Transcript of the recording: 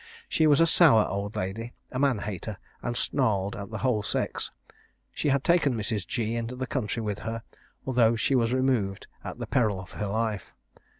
She was a sour old lady, a man hater, and snarled at the whole sex. She had taken Mrs. G. into the country with her, although she was removed at the peril of her life.